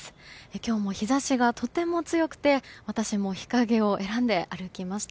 今日も日差しがとても強くて私も日陰を選んで歩きました。